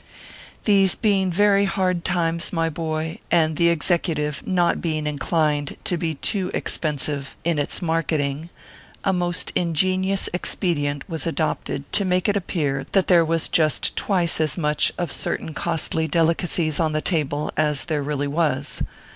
These being very hard times, my boy, and the Executive not being inclined to be too expensive in 202 ORPHEUS C. KERR PAPERS. its marketing, a most ingenious expedient was adopted to make it appear that there was just twice as much of certain costly delicacies on the table as there really was.